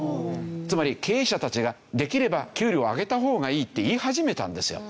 つまり経営者たちができれば給料を上げた方がいいって言い始めたんですよ。